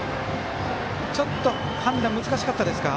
ちょっと判断、難しかったですか。